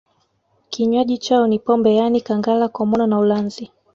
Kinywaji chao ni pombe yaani kangala komoni na ulanzi